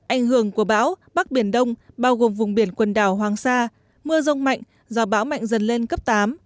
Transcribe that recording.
ảnh hưởng của bão bắc biển đông bao gồm vùng biển quần đảo hoàng sa mưa rông mạnh gió bão mạnh dần lên cấp tám